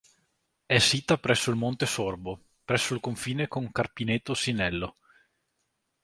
È sita presso il Monte Sorbo, presso il confine con Carpineto Sinello.